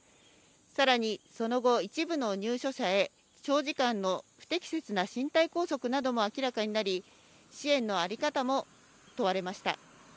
さらに、その後、一部の入所者へ長時間の不適切な身体拘束なども明らかになり、支援の在り方も問われました。